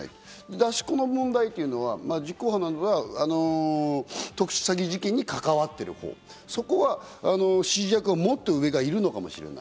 出し子の問題というのは、実行犯などは特殊詐欺事件に関わっているほう、そこは指示役はもっと上がいるのかもしれない。